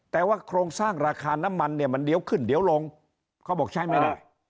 แต่ว่าโครงสร้างราคาน้ำมันเนี่ยมันเดี๋ยวขึ้นเดี๋ยวลงเขาบอกใช้ไม่ได้